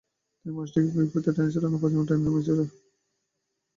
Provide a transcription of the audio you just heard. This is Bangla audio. ঐ মানুষটি কি ফিতা টেনেছিল, না পাজামাটাই টেনে নামিয়েছে?